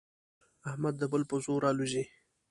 احمد د بل په زور الوزي.